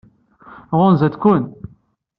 Ɣunzant-ken?